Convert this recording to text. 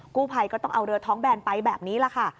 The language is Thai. กู้ภัยก็ต้องเอาเรือท้องแบนไปแบบนี้แหละค่ะ